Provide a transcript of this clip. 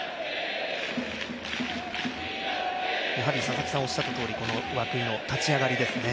やはり、佐々木さんおっしゃったとおり、涌井の立ち上がりですね。